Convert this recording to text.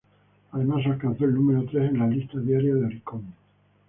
Además, alcanzó el número tres en la lista diaria de Oricon.